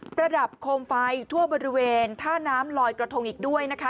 ระดับโคมไฟทั่วบริเวณท่าน้ำลอยกระทงอีกด้วยนะคะ